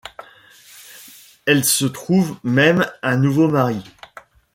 Elle se trouve même un nouveau mari.